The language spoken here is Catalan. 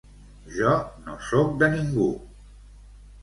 Jo no soc de ningú.